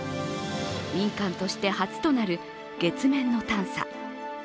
民間として初となる月面の探査。